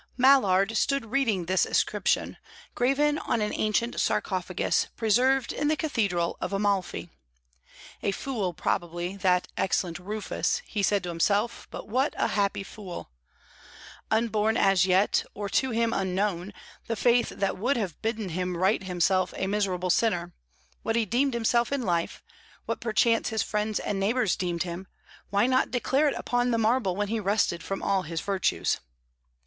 Mallard stood reading this inscription, graven on an ancient sarcophagus preserved in the cathedral of Amalfi. A fool, probably, that excellent Rufus he said to himself, but what a happy fool! Unborn as yet, or to him unknown, the faith that would have bidden him write himself a miserable sinner; what he deemed himself in life, what perchance his friends and neighbours deemed him, why not declare it upon the marble when he rested from all his virtues?